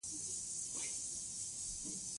تاریخ د خپل ولس د سوکالۍ لامل دی.